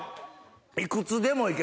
いくつでも行ける。